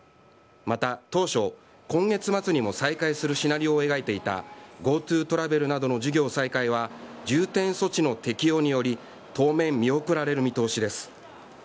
また、当初今月末にも再開するシナリオを描いていたＧｏＴｏトラベルなどの事業再開は重点措置の適用により当面、見送られる見通しです。